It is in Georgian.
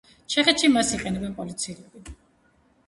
ჩეხეთში მას იყენებენ პოლიციელები.